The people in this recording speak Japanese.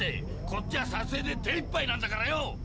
こっちは撮影で手いっぱいなんだからよ。